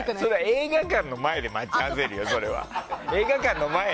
映画館の前で待ち合わせるよ、それは。